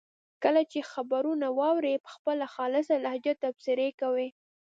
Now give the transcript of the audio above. کله چې خبرونه واوري په خپله خالصه لهجه تبصرې کوي.